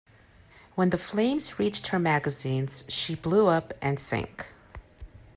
When the flames reached her magazines, she blew up and sank.